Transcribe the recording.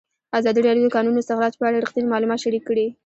ازادي راډیو د د کانونو استخراج په اړه رښتیني معلومات شریک کړي.